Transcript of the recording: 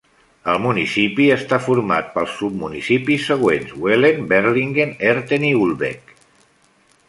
El municipi està format pels submunicipis següents: Wellen, Berlingen, Herten i Ulbeek.